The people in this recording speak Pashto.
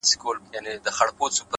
بس ده ه د غزل الف و با مي کړه!!